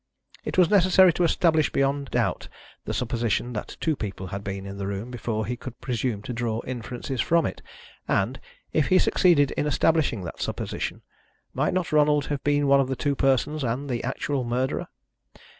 It was necessary to establish beyond doubt the supposition that two people had been in the room before he could presume to draw inferences from it. And, if he succeeded in establishing that supposition, might not Ronald have been one of the two persons, and the actual murderer?